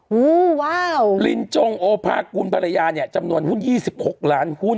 วูว้าวลินจงโอภากุลภรรยาเนี่ยจำนวนหุ้น๒๖ล้านหุ้น